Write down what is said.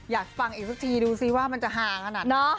อยากฟังอีกสักทีดูสิว่ามันจะห่างขนาดไหน